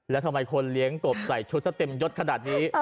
แล้วทำไมคนเลี้ยงกบใส่ชุดซะเต็มยดขนาดนี้